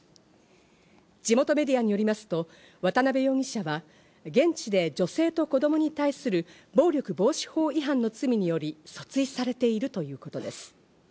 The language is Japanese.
地元メディアによりますと、渡辺容疑者は現地で女性と子供に対する暴力防止法違反の罪により訴追されているということです。